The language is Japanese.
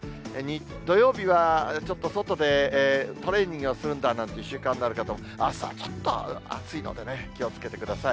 土曜日はちょっと外でトレーニングをするんだなんて習慣のある方も、あすはちょっと暑いのでね、気をつけてください。